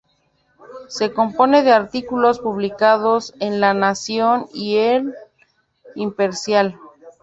Se compone de artículos publicados en "La Nación" y "El Imparcial".